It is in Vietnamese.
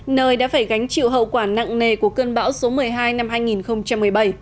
nơi đã phải gánh chịu hậu quả nặng nề của cơn bão số một mươi hai năm hai nghìn một mươi bảy